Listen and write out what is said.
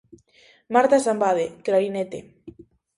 Marta Sambade - clarinete.